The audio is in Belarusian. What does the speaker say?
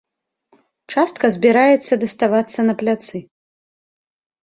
Частка збіраецца даставацца на пляцы.